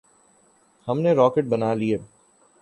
ہم نے راکٹ بنا لیے۔